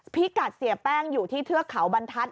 พี่กัดเสียแป้งอยู่ที่เทือกเขาบรรทัศน